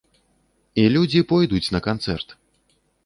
І людзі пойдуць на канцэрт!